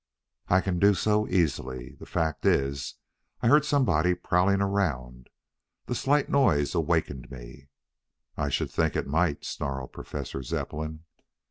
"I can do so easily. The fact is, I heard somebody prowling around. The slight noise awakened me " "I should think it might," snarled Professor Zepplin.